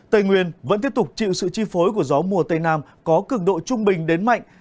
tây nguyên vẫn tiếp tục chịu sự chi phối của gió mùa tây nam có cực độ trung bình đến mạnh